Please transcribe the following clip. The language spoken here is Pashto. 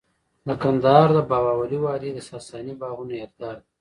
د کندهار د بابا ولی وادي د ساساني باغونو یادګار دی